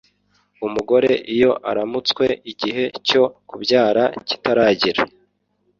umugore iyo aramutswe igihe cyo kubyara kitaragera